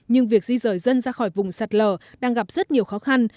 nhưng việc di rời dân ra khỏi vùng sạt lở đang gặp rất nhiều khó khăn